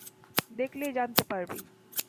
দেখলেই জানতে পারবি।